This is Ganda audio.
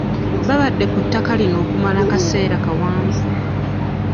Babadde ku ttaka lino okumala akaseera kawanvu.